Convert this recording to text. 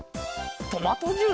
トマトジュース？